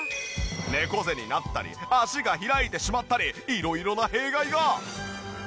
猫背になったり脚が開いてしまったり色々な弊害が。